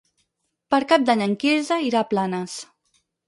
Per Cap d'Any en Quirze irà a Planes.